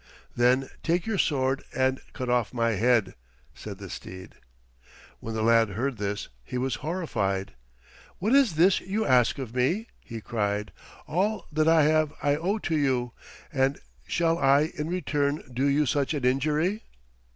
"Then take your sword and cut off my head," said the steed. When the lad heard this he was horrified. "What is this you ask of me?" he cried. "All that I have I owe to you, and shall I in return do you such an injury?"